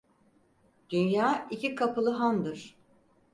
Dünya iki kapılı handır.